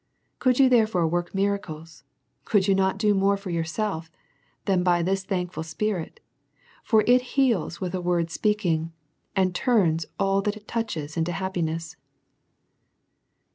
Could you, therefore, work miracles, you could not do more for yourself, than by this thankful spirit, for it heals with a word speaking , and turns all that it touches into happiness.